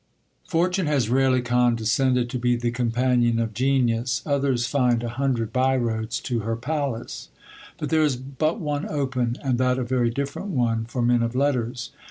Fortune has rarely condescended to be the companion of genius: others find a hundred by roads to her palace; there is but one open, and that a very indifferent one, for men of letters.